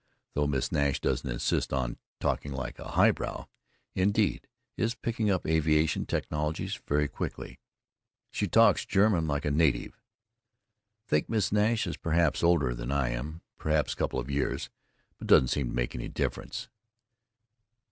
Though Miss Nash doesn't insist on talking like a high brow, indeed is picking up aviation technologies very quickly. She talks German like a native. Think Miss Nash is perhaps older than I am, perhaps couple of years, but doesn't make any difference.